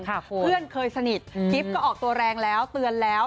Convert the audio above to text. เพื่อนเคยสนิทกิฟต์ก็ออกตัวแรงแล้วเตือนแล้ว